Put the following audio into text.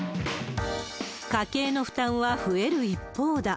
家計の負担は増える一方だ。